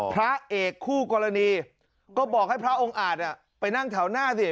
พระเอกคู่กรณีก็บอกให้พระองค์อาจไปนั่งแถวหน้าสิ